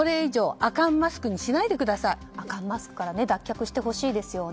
アカンマスクから脱却してほしいですよね。